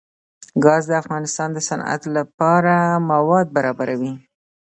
ګاز د افغانستان د صنعت لپاره مواد برابروي.